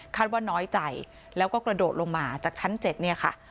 ว่าน้อยใจแล้วก็กระโดดลงมาจากชั้น๗เนี่ยค่ะ